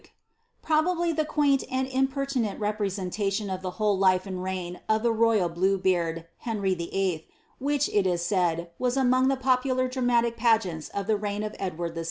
'* *robably the quaint and impertinent representation of the whole life and eign of the royal Blue beard, Henry Vllf., which, it is said, was among he popular dramatic pageants of the reign of Edward VI.